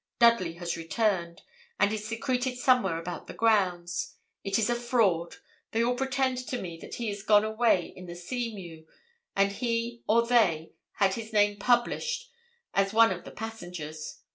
Dudley has returned, and is secreted somewhere about the grounds. It is a fraud. They all pretend to me that he is gone away in the Seamew; and he or they had his name published as one of the passengers.